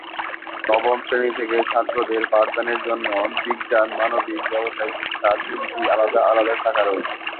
নবম শ্রেণী থেকে ছাত্রদের পাঠদানের জন্য বিজ্ঞান, মানবিক, ব্যাবসায় শিক্ষা তিনটি আলাদা আলাদা শাখা রয়েছে।